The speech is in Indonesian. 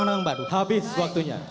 muncul orang orang baru habis waktunya